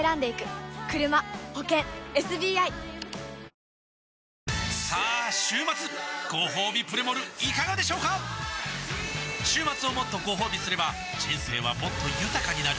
今夜の「ｎｅｗｓ２３」はさあ週末ごほうびプレモルいかがでしょうか週末をもっとごほうびすれば人生はもっと豊かになる！